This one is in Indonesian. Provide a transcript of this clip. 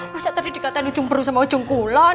masa tadi dikatakan ujung perut sama ujung kulon